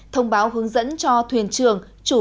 thông báo hướng dẫn cho thuyền chống thiên tai